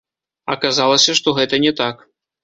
Аказалася, што гэта не так.